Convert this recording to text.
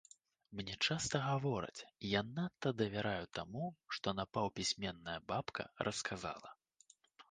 Мне часта гавораць, я надта давяраю таму, што напаўпісьменная бабка расказала.